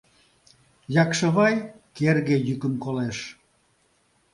Якшывай керге йӱкым колеш: